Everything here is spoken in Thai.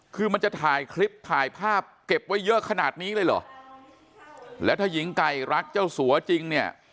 คือมันจะถ่ายคลิปถ่ายภาพเก็บไว้เยอะขนาดนี้เลยเหรอแล้วถ้าหญิงไก่รักเจ้าสัวจริงเนี่ย